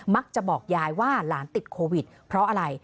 บอกยายว่าหลานติดโควิดเพราะอะไร